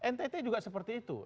ntt juga seperti itu